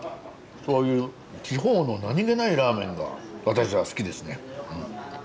そういう地方の何気ないラーメンが私は好きですね。